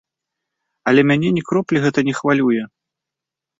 Але мяне ні кроплі гэта не хвалюе.